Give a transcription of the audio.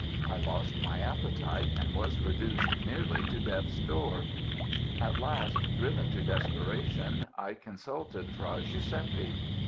I lost my appetite, and was reduced nearly to death's door. At last, driven to desperation, I consulted Fra Guiseppe.